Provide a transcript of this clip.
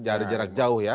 jangan di jarak jauh ya